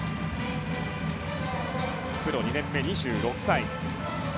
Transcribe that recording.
プロ２年目２６歳。